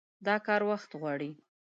دا کار وخت غواړي.